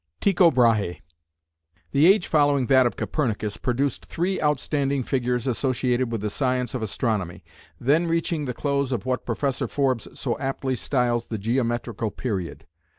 TYCHO BRAHE. The age following that of Copernicus produced three outstanding figures associated with the science of astronomy, then reaching the close of what Professor Forbes so aptly styles the geometrical period.